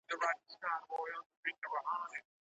ولې افغان سوداګر کیمیاوي سره له هند څخه واردوي؟